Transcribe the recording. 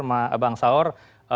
jelas tadi bang saur